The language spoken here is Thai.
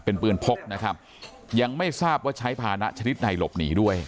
เป็นปืนพกนะครับยังไม่ทราบว่าใช้ภานะชนิดไหนหลบหนีด้วย